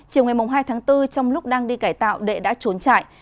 chiều ngày hai tháng bốn trong lúc đang đi cải tạo đệ đã trốn chạy